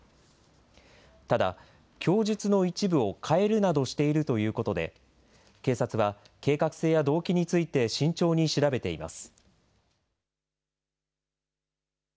ただ、供述の一部を変えるなどしているということで、警察は計画性や動機について慎重に調べています。